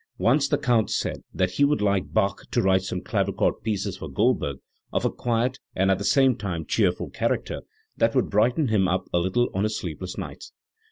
Once the Count said that he would like Bach to write some clavichord pieces for Goldberg, of a quiet and at the same time cheerful character, that would brighten him up a little on his sleepless nights.